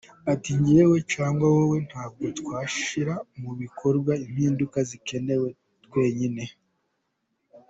Ati “Njyewe cyangwa wowe ntabwo twashyira mu bikorwa impinduka zikenewe twenyine.